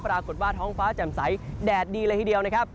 ปรากฏว่าท้องฟ้าแจ่มใสแดดดีเลยทีเดียวนะครับ